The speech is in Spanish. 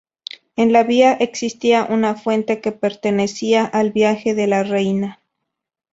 En la vía existía una fuente, que pertenecía al Viaje de la Reina.